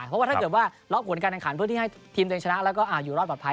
เพราะว่าถ้าเกิดว่ารอบกวนการแด่งขันเพื่อให้ทีมเตรียมชนะแล้วก็อยู่รอดปลอดภัย